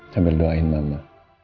sambil doain mama